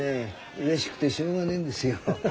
うれしくてしょうがねえんですよ。